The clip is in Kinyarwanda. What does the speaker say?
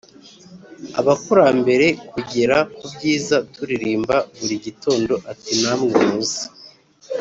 abakurambere kugera ku byiza turirimba buri gitondo Ati Namwe muze